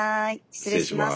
失礼します。